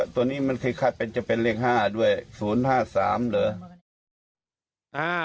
ตัวนี้มันเคยคาดไปจะเป็นเลขห้าด้วยศูนย์ห้าสามเหรออ้า